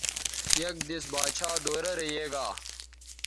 یک دیس باچھا دورہ رے یے گا